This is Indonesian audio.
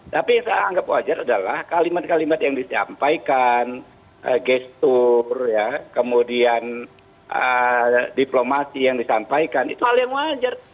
tapi yang saya anggap wajar adalah kalimat kalimat yang disampaikan gestur kemudian diplomasi yang disampaikan itu hal yang wajar